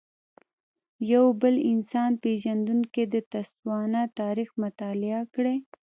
یو بل انسان پېژندونکی د تسوانا تاریخ مطالعه کړی.